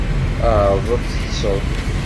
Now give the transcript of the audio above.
Ԑreḍ ad teṭṭseḍ.